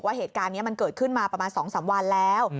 เหตุการณ์นี้มันเกิดขึ้นมาประมาณ๒๓วันแล้ว